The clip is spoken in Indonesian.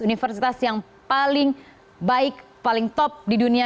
universitas yang paling baik paling top di dunia